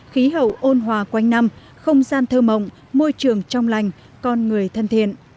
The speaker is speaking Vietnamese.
khí hậu ôn hòa quanh năm không gian thơ mộng môi trường trong lành con người thân thiện